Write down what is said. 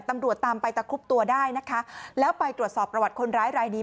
ตำรวจตามไปตะครุบตัวได้นะคะแล้วไปตรวจสอบประวัติคนร้ายรายนี้